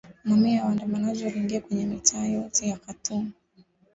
Mamia ya waandamanaji waliingia kwenye mitaa yote ya Khartoum